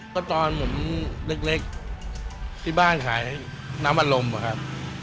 ก็ตอนผมเล็กที่บ้านขายน้ำอารมณ์อะครับ